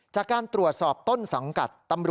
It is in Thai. จากการตรวจสอบต้นสังกัด